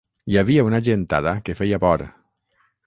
Hi havia una gentada que feia por.